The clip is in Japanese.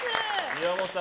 岩本さん